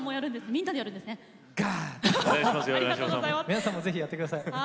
皆さんもぜひやってください。